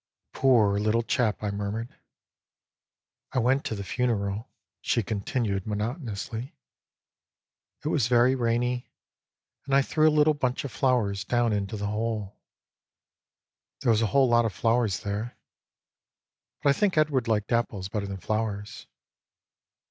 "Poor little chap!" I mummied. "I wait to the funeral," she continued monotonously. "It was very rainy, and I threw a little bunch of flowers down into the hole. There was a whole lot of flowers there; but I think Edward liked apples bettor than flowers."